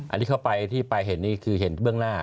อันนี้เข้าไปที่ไปเห็นนี่คือเห็นเบื้องหน้า